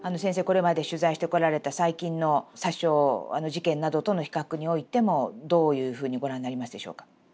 これまで取材してこられた最近の殺傷事件などとの比較においてもどういうふうにご覧になりますでしょうか？